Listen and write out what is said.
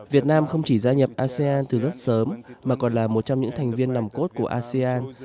việt nam không chỉ gia nhập asean từ rất sớm mà còn là một trong những thành viên nằm cốt của asean